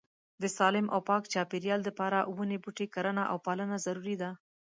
د سالیم او پاک چاپيريال د پاره وني بوټي کرنه او پالنه ضروري ده